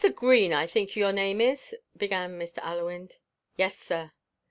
Green, I think your name is," began Mr. Allewinde. "Yes sir."